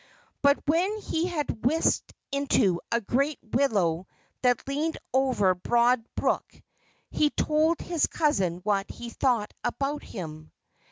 But when he had whisked into a great willow that leaned over Broad Brook he told his cousin what he thought about him.